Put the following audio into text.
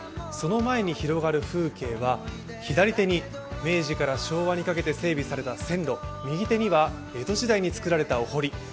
その前に広がる風景は、左手に明治から昭和にかけて整備された線路右手には江戸時代に造られたお堀。